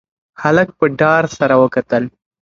هلک په ډار سره وکتل.